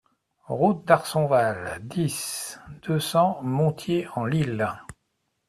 Route d'Arsonval, dix, deux cents Montier-en-l'Isle